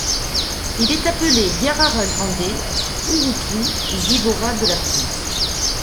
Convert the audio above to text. Il est appelé Yarará grande, Urutu ou Víbora de la cruz.